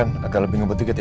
ren agak lebih ngobot deket ya